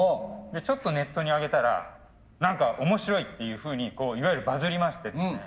ちょっとネットに上げたら何か面白いっていうふうにいわゆるバズりましてですね